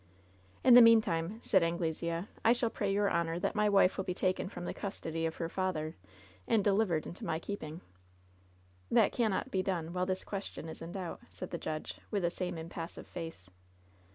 "In the meantime," said Anglesea, "I shall pray your hionor that my wife will be taken from the custody of her father and delivered into my keeping." "That cannot be done while this question is in doubt," said the judge, with the same impassive face.